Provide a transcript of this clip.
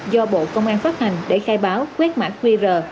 do bộ công an phát hành để khai báo quét mã qr